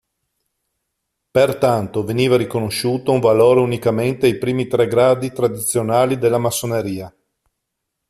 Pertanto, veniva riconosciuto un valore unicamente ai primi tre gradi tradizionali della massoneria.